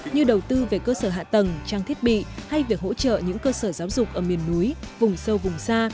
như đầu tư về cơ sở hạ tầng trang thiết bị hay việc hỗ trợ những cơ sở giáo dục ở miền núi vùng sâu vùng xa